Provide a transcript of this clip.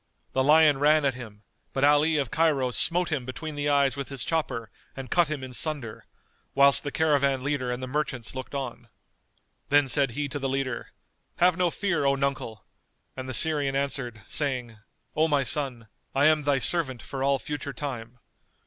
The lion ran at him, but Ali of Cairo smote him between the eyes with his chopper and cut him in sunder, whilst the caravan leader and the merchants looked on. Then said he to the leader, "Have no fear, O nuncle!" and the Syrian answered, saying, "O my son, I am thy servant for all future time."